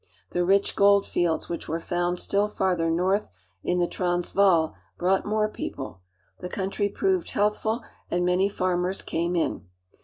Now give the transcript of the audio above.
The rich gold fields, which were found still farther I north in the Transvaal, brought more people. The country I proved healthful, and many farmers came in.